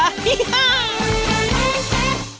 โปรดติดตามตอนต่อไป